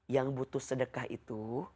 yang butuh sedekah itu